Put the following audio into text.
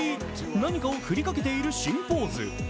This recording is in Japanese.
何かを振りかけている新ポーズ。